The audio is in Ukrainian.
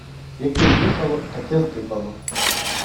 Яке їхало, таке здибало.